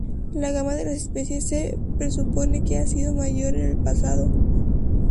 La gama de las especies se presupone que ha sido mayor en el pasado.